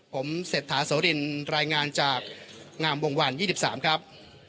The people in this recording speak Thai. ผมเศรษฐาโสรินรายงานจากงามวงวัน๒๓ครับ